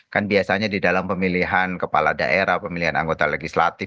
kan biasanya di dalam pemilihan kepala daerah pemilihan anggota legislatif